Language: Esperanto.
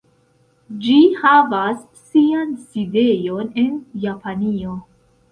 Ĝi havas sian sidejon en Japanio.